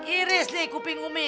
iris deh kuping umi